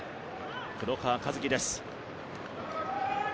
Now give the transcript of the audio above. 黒川和樹です。